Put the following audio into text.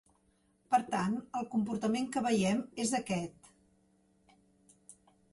Per tant, el comportament que veiem és aquest.